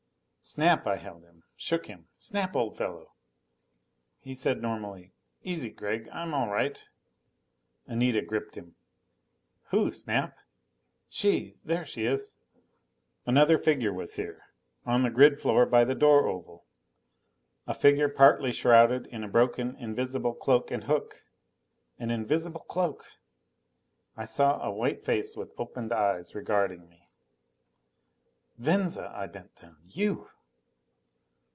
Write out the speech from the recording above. "Snap!" I held him. Shook him. "Snap, old fellow!" He said normally, "Easy, Gregg. I'm all right." Anita gripped him. "Who, Snap?" "She there she is...." Another figure was here! On the grid floor by the door oval. A figure partly shrouded in a broken invisible cloak and hook. An invisible cloak! I saw a white face with opened eyes regarding me. "Venza!" I bent down. "You!"